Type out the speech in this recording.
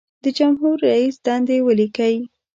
د جمهور رئیس دندې ولیکئ.